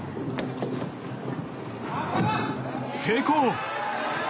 成功！